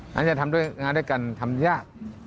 นั้นจะทำงานด้วยกันทำยาก